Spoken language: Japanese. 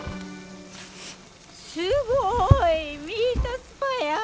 すごい！ミートスパや！